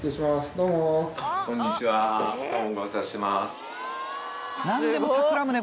どうもこんにちはすごっ！